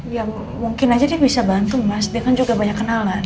ya mungkin aja dia bisa bantu mas dia kan juga banyak kenalan